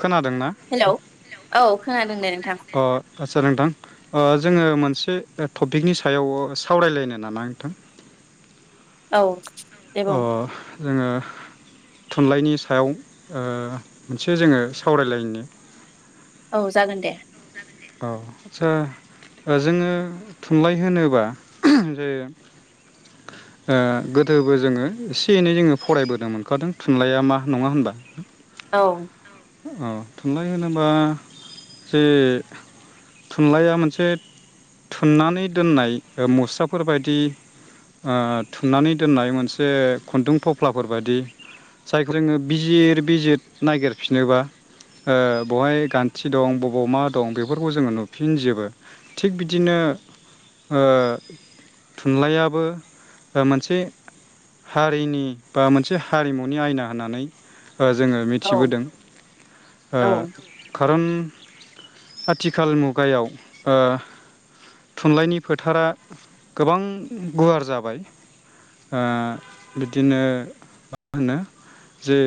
खोनादोंना? हेलौ औ खोनादों दे नोंथां अ आचसा नोंथां जोङो मोन मोनसे टपिकनि सायाव सावरायलायनो नामा नोंथां? औ। दे बुं अ जोङो। थुनलाइनि सायाव ओ मोनसे जोङो सावरायलायनो। औ जागोन दे। औ आस्सा जोङो थुनलाइ होनोबा जे ओ गोदोबो जोङो एसे एनै जोङो फरायबोदों मोनखादों थुनलाइया मा नङा होनबा। औ। औ थुनलाइ होनोबा जे थुनलाइया मोनसे थुननानै दोननाय मुस्राफोरबायदि आ थुननानै दोननाय मोनसे खुन्दुं थफ्लाफोर बायदि जायखौ जोङो बिजिर बिजिर नागिरफिनोबा ओ बवहाय गान्थि दं बबाव मा दं बेफोरखौ जोङो नुफिनजोबो। थिग बिदिनो ओ थुनलाइयाबो मोनसे हारिनि बा मोनसे हारिमुनि आयना होननानै ओ जोङो औ मिथिबोदों। ओ औ खारन आथिखाल मुगायाव ओ थुनलाइनि फोथारा गोबां गुवार जाबाय। ओ बिदिनो मा होनो जे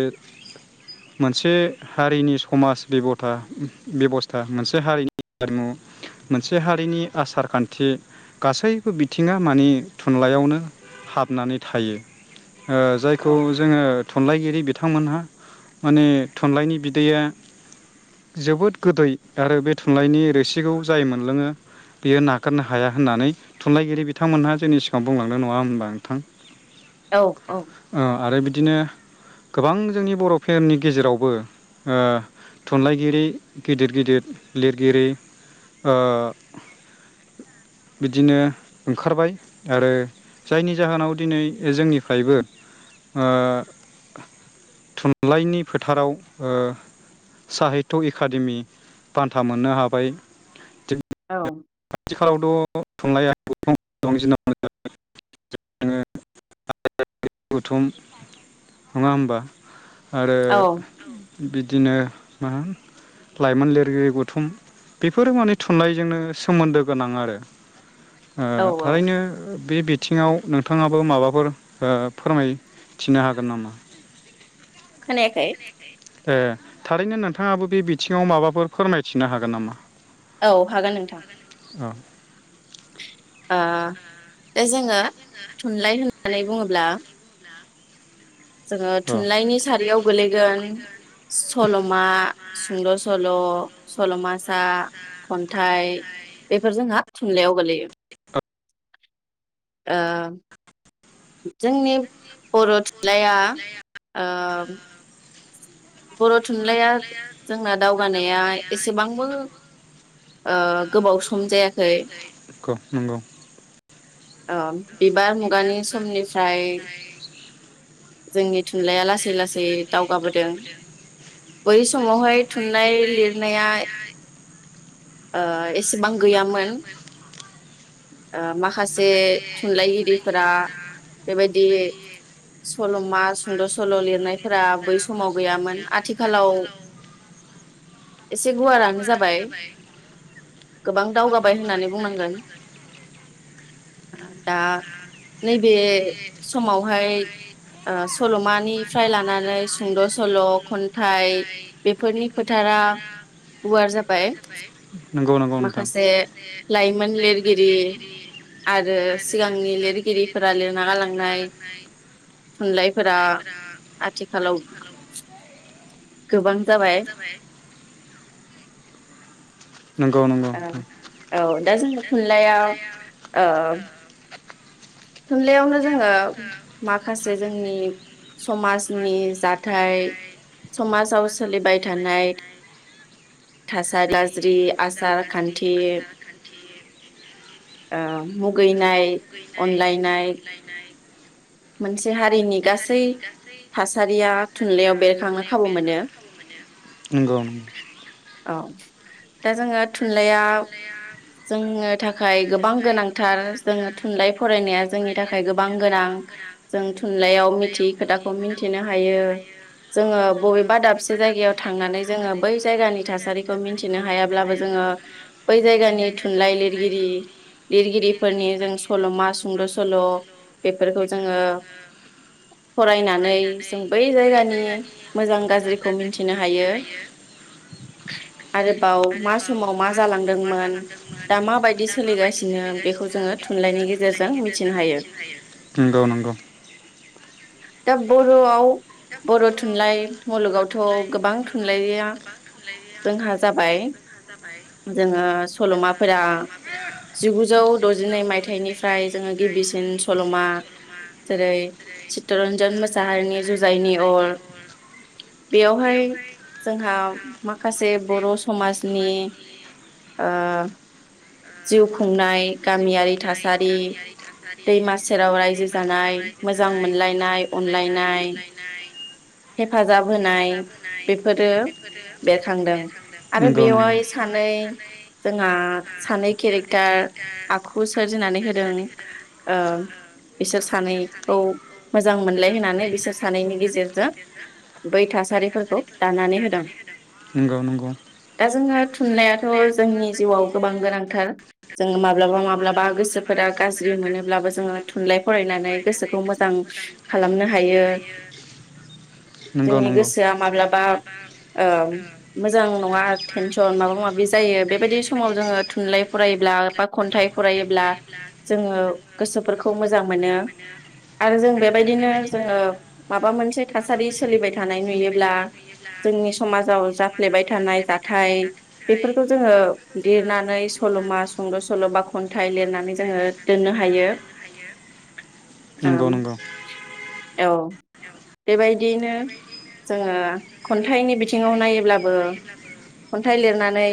मोनसे हारिनि समाज बेब'था बेबस था मोनसे हारिनि हारिमु मोनसे हारिनि आसार खान्थि गासैबो बिथिङा माने थुनलाइयावनो हाबनानै थायो। ओ जायखौ औ औ जोङो थुनलाइगिरि बि थांमोनहा माने थुनलाइनि बिदैया जोबोद गोदै आरो बे थुनलाइनि रोसिखौ जाय मोनलोङो बेयो नागारनो हाया होननानै थुनलाइगिरि बिथांमोनहा जोंनि सिगाङाव बुंलांदों नङा होनबा नोंथां? औ ओ आरो बिदिनो गोबां जोंनि बर'फोरेरनि गेजेरावबो ओ थुनलाइगिरि गिदिर गिदिर लिरगिरि ओ बिदिनो ओंखारबाय आरो जायनि जाहोनाव दिनै जोंनिफ्रायबो ओ थुनलाइनि फोथाराव ओ साहित्य एकादेमि बान्था मोननो हाबाय। औ [unintelligible] आथिखालावथ' [unintelligible] नङा होनबा आरो बिदिनो मा लाइमोन लिरगिरि गौथुम बेफोरो माने थुनलाइजोंनो सो मोन्दो गोनां आरो ओ औ औ थारैनो बे बि थिङाव नोंथाङाबो माबाफोर ओ फोरमायथिनो हागोन नामा? खोनायाखै? ए थारैनो नोंथाङाबो बे बिथिङाव माबाफोर फोरमायथिनो हागोन नामा? औ हागोन नोंथां। अ। बा दा जोङो थुनलाइ होननानै बुङोब्ला जोङो औ थुनलाइनि सारियाव गोलैगोन सल'मा, सुंद' सल', सल'मासा खन्थाइ बेफोर जोंहा थुनलाइयाव गोलैयो। ओ जोंनि बर' थुनलाइया ओ बर' थुनलाइया जोंना दावगानाया एसेबांबो ओ गोबाव सम जाया [inaudible] नंगौ औ बिबार मुगानि समनिफ्राय जोंनि थुनलाइया लासै लासै दावगाबोदों। बै समावहाय थुनलाइ लिरनाया ओ एसेबां गैयामोन ओ माखासे थुनलाइगिरिफोरा बेबायदि सल'मा सुंद' सल' लिरनायफोरा बै समाव गैयामोन आथिखालाव एसे गुवारआनो जाबाय गोबां दावगाबाय होन्नानै बुंनांगोन दा नैबे समावहाय ओ सलमा मानिफ्राय लानानै सुंद'स सल' खन्थाइ बेफोरनि फोथारा गुवार जाबाय नंगौ नंगौ नोंथां माखासे लाइमोन लिरगिरि आरो सिगांनि लिरगिरिफोरा लिरना गालांनाय थुनलाइफोरा आथिखालाव गोबां जाबाय। नंगौ नंगौ ओ औ दा जोंनो थुनलाइया ओ थुनलाइयावनो जोङो माखासे जोंनि समाजनि जाथाय समाजाव सोलिबाय थानाय थासारि गाज्रि आसार खान्थि ओ मुगैनाय अनलायनाय मोनसे हारिनि गासै थासारिया थुनलाइयाव बेरखांनो खाबु मोनो औ। दा जोङो थुनलाइया जोंङो थाखाय गोबां गोनांथार जोङो थुनलाइ फरायनाया जोंनि थाखाय गोबां गोनां जों थुनलाइयाव मिथियै खोथाखौ मिनथिनो हायो। जोङो बबेबा दाबसे जायगायाव थांनानै जोङो बै जायगानि थासारिखौ मिनथिनो हायाब्लाबो जोङो बै जायगानि थुनलाइ लिरगिरि लिरगिरिफोरनि जों सल'मा सुंद' सल' बेफोरखौ जोङो फरायनानै जों बै जायगानि मोजां गाज्रिखौ मिनथिनो हायो। आरोबाव मा समाव मा जालांदोंमोन? दा मा बायदि सोलि बिदिनो बेखौ जोङो थुनलाइनि गेजेर नंगौ नंगौ दा बर'आव बर' थुनलाइ मुलुगावथ' गोबां थुनलाइया जोंहा जाबाय। जोङो सल'माफोरा जिगुजौ द'जिनै मायथाइनिफा थाइनिफ्राय गिबिसिन सल'मा जेरै चित्तरन्जन मोसाहारि बेयावहाय जोंहा माखासे बर' समाज नि ओ जिउ खुंनाय गामियारि थास नि दैमा सेराव रायजो जानाय मोजां मोनलायनाय अनलायनाय हेफाजाब होनाय बेफोरो बेरखांदों आरो नंगौ नंगौ बेवहाय सानै जोंहा सानै केरेक्टार आखु सोर होनानै होदों ओ बिसोर सानैखौ मोजां मोनलाय होनानै बिसोर सानैनि गेजेरजों बै थासारिफोरखौ दानानै होदों। नंगौ नंगौ दा जोङो थुनलाइयाथ' जोंनि जिउआव गोबां गोनांथार जोंङो मा [unintelligible] माब्लाबा गोसोफोरा गाज्रि मोनोब्लाबो जोङो थुनलाइ फरायनानै गोसोखौ मोजां खालामनो हायो। नंगौ जोंनि गोसोआ नंगौ माब्लाबा ओ मोजां नङा थेनसन माबा माबि जायो बेबायदि समाव जोङो थुनलाइ फरायोब्ला बा खन्थाइ फरा ब्ला जोङो गोसोफोरखौ मोजां मोनो आरो जों बेबायदिनो जोङो माबा मोनसे थासारि सोलिबाय थानाय नुयोब्ला जोंनि समाजाव जाफ्लेबाय थानाय जाथाय बेफोरखौ जोङो लिरनानै सल'मा सुंद' सल' बा थाइ लिरनानै जोङो दोननो हायो नंगौ [unintelligible] औ बेबायदियैनो जोङो खन्थाइनि बिथिङाव नायोब्लाबो खन्थाइ लिरनानै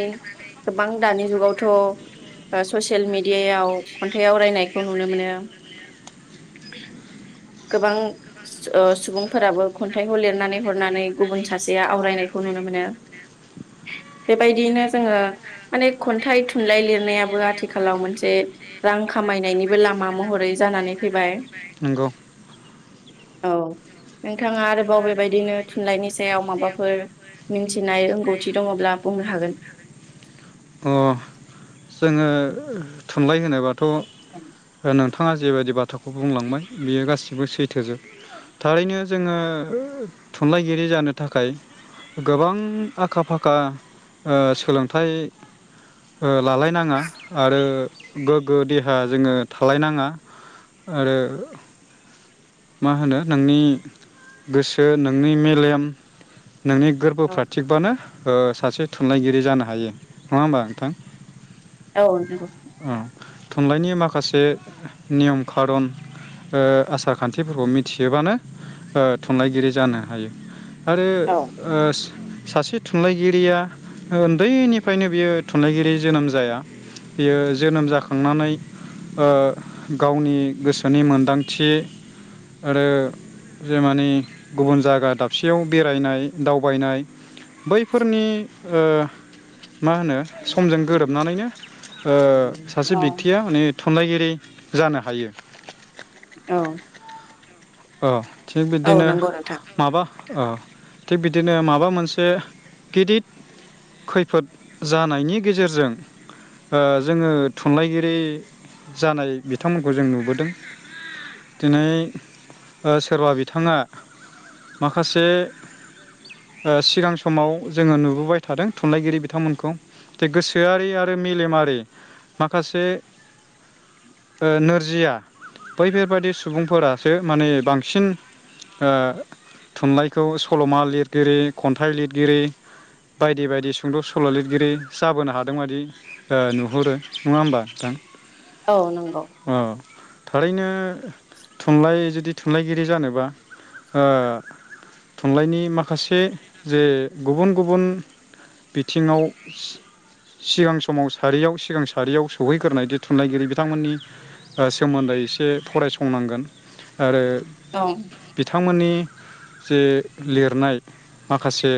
गोबां दानि जुगावथ' ससियेल मिडि यायाव खन्थाइ आवरायनायखौ नुनो मोनो। गोबां सुबुंफोराबो खन्थाइखौ लिरनानै हरनानै गुबुन सासेया आवरायनायखौ नुनो मोनो बेबायदियैनो जोङो माने खन्थाइ थुनलाइ लिरनायाबो आथिखालाव मोन से रां खामायनायनिबो लामा महरै जानानै फैबाय नंगौ। औ नोंथाङा आरोबाव बेबायदिनो थुनलाइनि सायाव माबाफोर मिथिनाय रोंगौथि दङ'ब्ला बुंनो हागोन। अ जोङो थुनलाइ होनो बा थ' [unintelligible] नोंथाङा जेबायदि बाथ्राखौ बुंलांबाय बियो गासिबो सैथोजोब। थारैनो जोङो थुनलाइगिरि जानो थाखाय गोबां आखा फाखा ओ सोलोंथाइ ओ लालायनाङा आरो गोग्गो देहा जोङो थालायनाङा आरो मा होनो नोंनि गोसो, नोंनि मेलेम नोंनि औ गोरबोफ्रा थिगबानो ओ सासे थुनलाइगिरि जानो हायो। नङा होमबा नोंथां? औ नंगौ। औ थुनलाइनि माखासे नियम खारन ओ आसा खान्थिफोरखौ मिथियोबानो। ओ थुनलाइगिरि जानो हायो आरो औ ओस। सासे थुनलाइगिरिया ओन्दैनिफायनो बियो थुनलाइगिरि। जोनोम जाया बियो जोनोम जाखांनानै ओ गावनि गोसोनि मोनदांथि ओरो जे मानि गुबुन जागा दाबसेयाव बेरायनाय दावबायनाय बैफोरनि ओ। मा होनो स। जों गोरोबनानैनो ओ सासे औ बिक्तिया होनिथ। थुनलाइगिरि जानो हायो। औ। ओ। थिग औ बिदिनो नंगौ नोंथां माबा। ओ थिग बिदिनो माबा मोनसे गिदिद खैफोद जानायनि गेजेरजों ओ जोङो थुनलाइगिरि जानाय बिथांमोनखौ जों नुबोदों दिनै। ओ सोरबा बिथाङा माखासे ओ सिगां समाव जोङो नुबोबाय थादों थुनलाइगिरि बिथांमोनखौ जे गोसोआरि आरो मेलेमारि माखासे ओ नोरजिया बैफेरबादि सुबुंफोरा। थो माने बांसिन ओ थुनलाइखौ सल'मा लिरगिरि खन्थाइ लिदगिरि बायदि बायदि सुंद' सल' लिदगिरि जाबोनो हादों बादि ओ नुहुरो नङा होमबा थां औ नोंगौ। थारैनो थु। हंलाइ जुदि थुनलाइगिरि जानोबा ओ थुनलाइनि माखासे जे गुबुन गुबुन बिथिङाव सि सिगां समाव सारियाव सिगां सारियाव सौहैगोरनायदि थुनलाइगिरि बिथांमोननि ओ सोमोन्दै से फरायसंनांगोन। आरो। औ बिथांमोननि। इ जे लिरनाय माखासे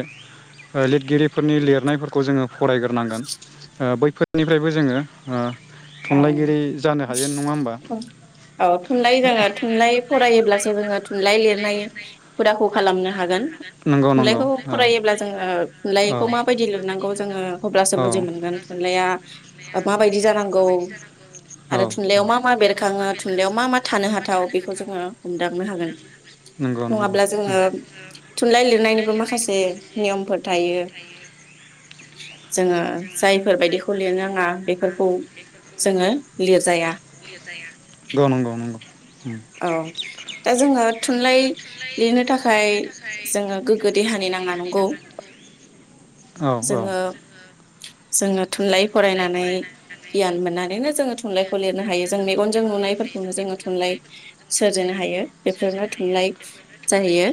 ओ लिदगिरिफोरनि लिरनायफोरखौ जोङो फरायगोरनांगोन ओ बैफोरनिफ्रायबो जोङो ओ औ थुनलाइगिरि जानो हायो नङा होमबा औ थुनलाइ जोङो [unintelligible] थुनलाइ फरायोब्लासो जोङो थुनलाइ लिरनाय हुदाखौ खालामनो हागोन नंगौ नंगौ थुनलाइखौ औ फरायोब्ला जोङो औ थुनलाइखौ माबायदि लिरनांगौ जोङो अब्लासो बुजि औ मोनगोन थुनलाइया। ओ माबायदि जानांगौ। औ औ आरो थुनलाइयाव मा मा बेरखाङो थुनलाइयाव मा मा थानो हाथाव बेखौ जोङो उम। दांनो हागोन। नंगौ नंगौ नङाब्ला जोङो थुनलाइ लिरनायनिबो माखासे नियमफोर थायो। जोंङो। जायफोर बायदिखौ लिरनाङा बेफोर। औ जोंङो जोंङो लिरजाया नंगौ नंगौ। औ दा जोङो थुनलाइ लिरनो थाखाय जोङो गोगगोद देहानि नांना नंगौ। औ औ जोंङो। जोंङो थुनलाइ फरायनानै गियान मोननानैनो। जोंङो थो थुनलाइखौ लिरनो हायो जों मेगनजों नुनायफोर खौनो जोंङो थुनलाइ सोरजिनो हायो बेफोरनो थुनलाइ जाहैयो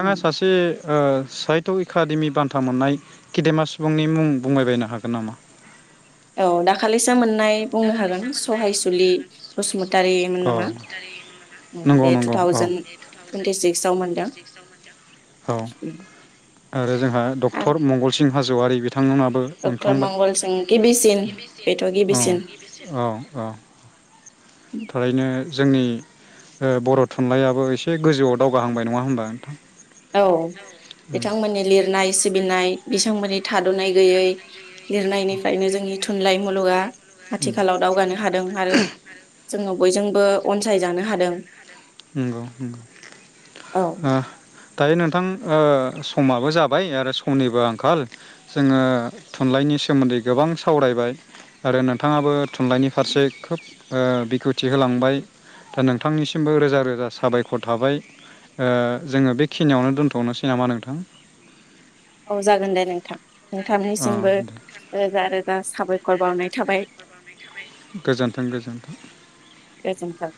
औ सासे ओ साहित्य एकाडेमि बान्था मोननाय खेदेमा सुबुंनि मुं बुंबायबायनो हागोन नामा? औ दाखालिसो मोननाय बुंनो हागोन सहायसु बलि बसुमत तारिमोन औ नामा नंगौ बे टु नंगौ औ थावजेेन टुवन्टि सिक्सयाव मोनदों। [inaudible] औ आरो जोंहा आरो डक्टर मंगलसिं हाजवारि बि थांमोनाबो डक्टर मोनखांबाय मंगल सिं गिबिसिन बेथ' औ गिबिसिन औ‌ औ थारैनो जोंनि ओ बर' थुनलाइयाबो एसे गोजौआव दावगाहांबाय नंङा होनबा नोंथां? औ उम बिथांमोननि लिरनाय सिबिनाय बिसांमोननि थादनाय गैयै लिरनायनिफ्रायनो जोंनि थुनलाइ मुलुगा उम आथिखालाव दावगानो हादों आरो जोंङो बयजोंबो अनसायजानो हादों नंगौ नंगौ औ ओ दायो नोंथां ओ समाबो जाबाय आरो समनिबो आंखाल जोंङो थुनलाइनि सोमोन्दै गोबां सावरायबाय आरो नोंथांङाबो थुनलाइनि फारसे खोब ओ‌ बेखेवथि होलांबाय दा नोंथांनिसिमबो रोजा रोजा साबायखर थाबाय। ओ जोंङो बेखिनियावनो दोन्थनोसै नामा नोंथां? औ जागोन दे नोंथां अ नोंथांनिसिमबो दे रोजा रोजा साबाय खर बावनाय थाबाय। गोजोन्थों गोजोनथों गोजोन्थों